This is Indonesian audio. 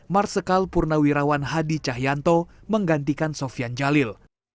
marsikal purnawirawan hadi cahyanto menggantikan sofian jalil